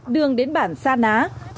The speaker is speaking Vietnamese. đường đến bản sa ná